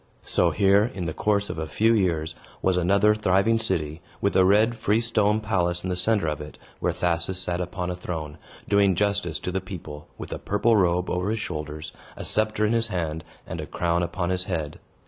So here, in the course of a few years, was another thriving city, with a red freestone palace in the center of it, where Thasus sat upon a throne, doing justice to the people, with a purple robe over his shoulders, a sceptre in his hand, and a crown upon his head.